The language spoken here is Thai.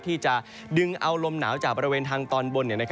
ที่จะดึงเอาลมหนาวจากบริเวณทางตอนบน